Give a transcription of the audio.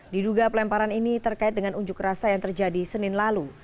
diduga pelemparan ini terkait dengan unjuk rasa yang terjadi senin lalu